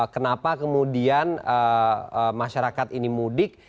kenapa kemudian masyarakat ini mudik